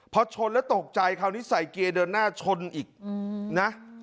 พอชนแล้วตกใจคราวนี้ใส่เกียร์เดินหน้าชนอีกนะ